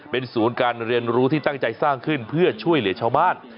เป็นศูนย์การเรียนรู้ที่ตั้งใจสร้างขึ้นเพื่อช่วยเหลือชาวบ้าน